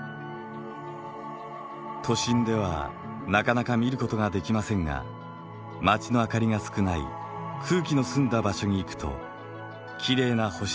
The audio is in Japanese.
都心ではなかなか見ることができませんが街の灯りが少ない空気の澄んだ場所に行くときれいな星空を見ることができます。